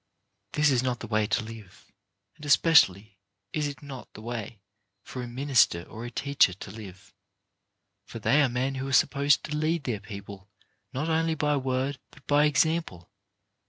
This is not the way to live, and especially is it not the way for a minister or a teacher to live, for they are men who are supposed to lead their people not only by word but by example.